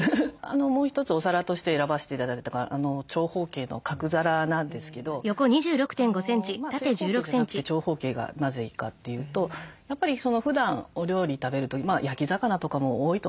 もう一つお皿として選ばして頂いた長方形の角皿なんですけど正方形じゃなくて長方形がなぜいいかというとやっぱりふだんお料理食べる時焼き魚とかも多いと思うんですよね。